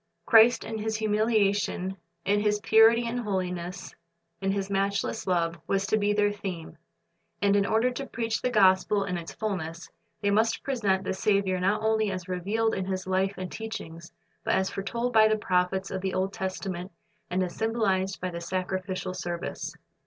Christ in His humiliation, in His purity and holiness, in His matchless love, was to be their theme. And in order to preach the gospel in its fulness, they must present the Saviour not only as revealed in His life and teachings, but as foretold by the prophets of the Old Testament and as symbolized by the sacrificial service.